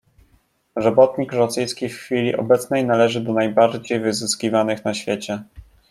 "Robotnik rosyjski w chwili obecnej należy do najbardziej wyzyskiwanych w świecie."